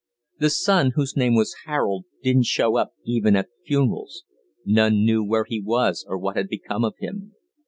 The son, whose name was Harold, didn't show up even at the funerals none knew where he was or what had become of him.